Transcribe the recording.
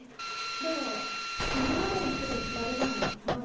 でも今までの人と比べたらまだ。